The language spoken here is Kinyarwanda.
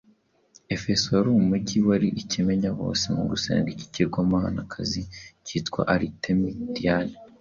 Efeso wari umugi wari ikimenyabose mu gusenga ikigirwamanakazi cyitwaga Aritemi Diyane.